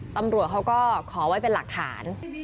ตำรวจเขาก็ขอไว้เป็นหลักฐาน